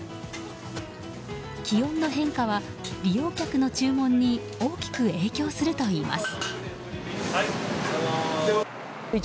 気温の変化は、利用客の注文に大きく影響するといいます。